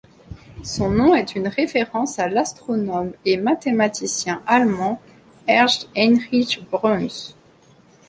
Son nom est une référence à l'astronome et mathématicien allemand Ernst Heinrich Bruns.